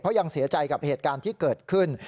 เพราะยังเสียใจกับเหตุการณ์ที่เกิดขึ้น